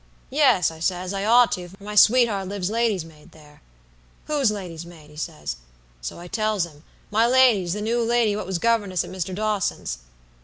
'Yes,' I says, 'I ought to, for my sweetheart lives lady's maid there.' 'Whose lady's maid?' he says. So I tells him, 'My lady's, the new lady what was governess at Mr. Dawson's.'